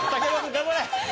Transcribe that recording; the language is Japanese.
頑張れ！